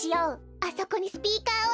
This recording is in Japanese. あそこにスピーカーおいて。